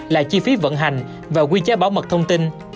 là chi phí vận hành và quy chế bảo mật thông tin